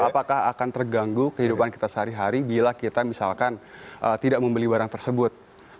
apakah akan terganggu kehidupan kita sehari hari bila kita misalkan tidak membeli barang tersebut